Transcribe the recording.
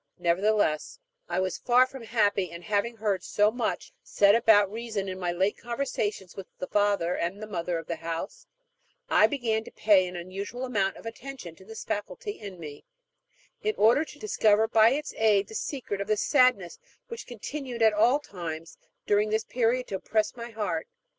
Nevertheless, I was far from happy; and, having heard so much said about reason in my late conversations with the father and mother of the house, I began to pay an unusual amount of attention to this faculty in me, in order to discover by its aid the secret of the sadness which continued at all times during this period to oppress my heart.